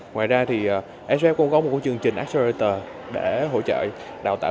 ngoài ra sqf cũng có một chương trình accelerator để hỗ trợ đào tạo